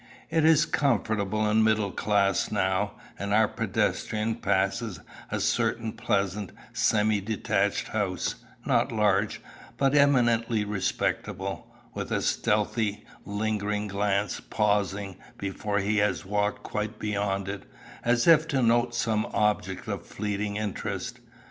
It is comfortable and middle class now, and our pedestrian passes a certain pleasant semi detached house not large, but eminently respectable with a stealthy, lingering glance, pausing, before he has walked quite beyond it, as if to note some object of fleeting interest.